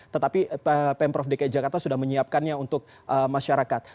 tetapi pemprov dki jakarta sudah menyiapkannya untuk masyarakat